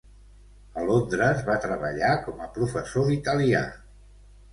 A Londres va treballar com a professor d'italià.